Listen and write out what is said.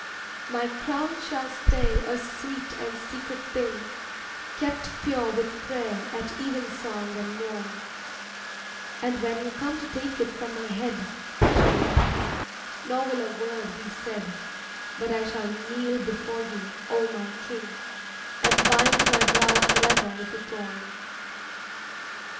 My crown shall stay a sweet and secret thing Kept pure with prayer at evensong and morn, And when you come to take it from my head, I shall not weep, nor will a word be said, But I shall kneel before you, oh my king, And bind my brow forever with a thorn.